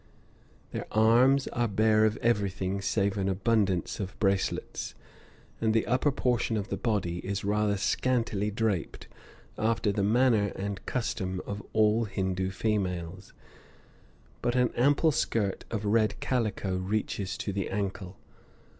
Their arms are bare of everything save an abundance of bracelets, and the upper portion of the body is rather scantily draped, after the manner and custom of all Hindoo females; but an ample skirt of red calico reaches to the ankle.